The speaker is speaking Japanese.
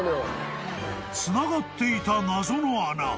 ［つながっていた謎の穴。